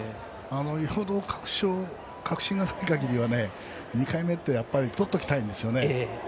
よほど確信がないかぎりは２回目はとっておきたいんですよね。